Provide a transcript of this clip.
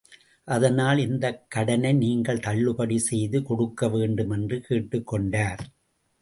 அதனால் இந்தக் கடனை நீங்கள் தள்ளுபடி செய்து கொடுக்க வேண்டும் என்று கேட்டுக் கொண்டார்.